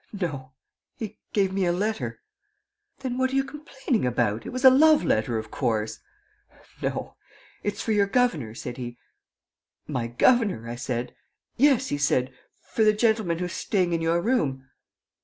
"No, he gave me a letter...." "Then what are you complaining about? It was a love letter, of course!" "No. 'It's for your governor,' said he. 'My governor?' I said. 'Yes,' he said, 'for the gentleman who's staying in your room.